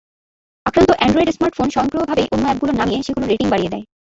আক্রান্ত Android smartphone স্বয়ংক্রিয়ভাবে অন্য অ্যাপগুলো নামিয়ে সেগুলোর রেটিং বাড়িয়ে দেয়।